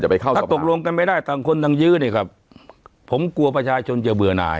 ถ้าตกลงกันไม่ได้ต่างคนต่างยื้อเนี่ยครับผมกลัวประชาชนจะเบื่อหน่าย